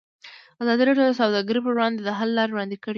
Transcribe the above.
ازادي راډیو د سوداګري پر وړاندې د حل لارې وړاندې کړي.